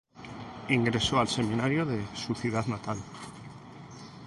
Ingresó al seminario de su ciudad natal.